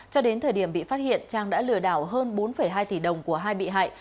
cho đến thời điểm bị phát hiện trang đã lừa đảo hơn bốn hai tỷ đồng của hai bị hại